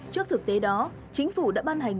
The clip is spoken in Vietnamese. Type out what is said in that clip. trước thực tế đó chính phủ đã ban hành